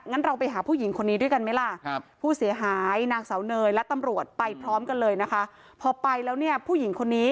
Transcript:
แล้วถ้าหนูเป็นคนให้แม่คนสุดท้ายลงมาพวกเขาหาเงินกูได้ไง